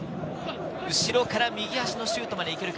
後ろから右足のシュートまでいけるか？